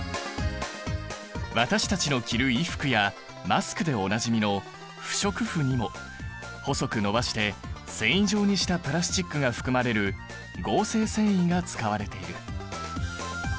私たちの着る衣服やマスクでおなじみの不織布にも細く伸ばして繊維状にしたプラスチックが含まれる合成繊維が使われている。